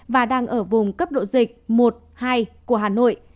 và đang ở vùng cấp độ dịch một hai của hà nội